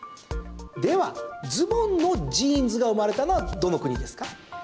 では、ズボンのジーンズが生まれたのはどの国ですか？